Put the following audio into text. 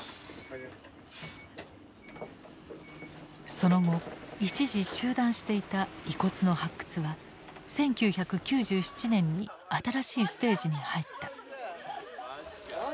その後一時中断していた遺骨の発掘は１９９７年に新しいステージに入った。